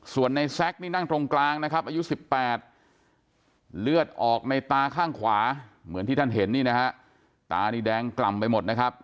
ส่วนในแซคนี่นั่งตรงกลางนะครับอายุ๑๘เลือดออกในตาข้างขวาเหมือนที่ท่านเห็นนี่นะฮะตานี่แดงกล่ำไปหมดนะครับ